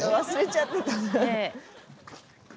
忘れちゃってた。